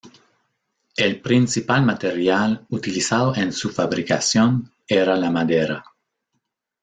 El principal material utilizado en su fabricación era la madera.